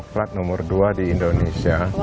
penghasil coklat nomor dua di indonesia